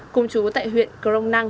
cùng chú tại huyện crona